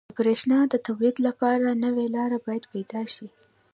• د برېښنا د تولید لپاره نوي لارې باید پیدا شي.